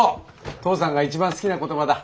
父さんが一番好きな言葉だ。